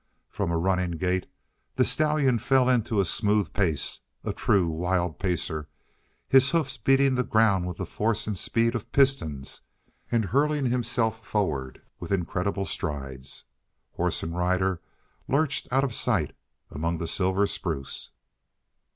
From a running gait the stallion fell into a smooth pace a true wild pacer, his hoofs beating the ground with the force and speed of pistons and hurling himself forward with incredible strides. Horse and rider lurched out of sight among the silver spruce.